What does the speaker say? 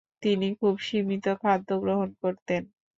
তিনি খুব সীমিত খাদ্য গ্রহণ করতেন।